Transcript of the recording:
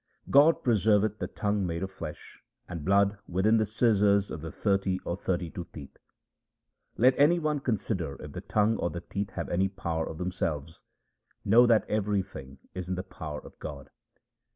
God preserveth the tongue made of flesh and blood within the scissors of the thirty or thirty two teeth. Let any one consider if the tongue or the teeth have any power of themselves ; know that everything is in the power of God.